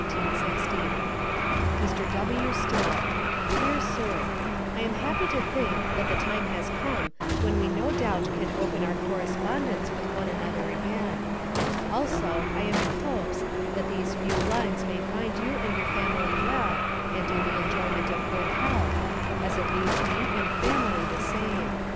MR. W. STILL: Dear Sir I am happy to think, that the time has come when we no doubt can open our correspondence with one another again. Also I am in hopes, that these few lines may find you and family well and in the enjoyment of good health, as it leaves me and family the same.